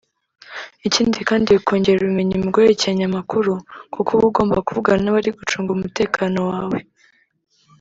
Ikindi kandi bikongerera ubumenyi mu guhererekanya amakuru kuko uba ugomba kuvugana n’abari gucunga umutekano wawe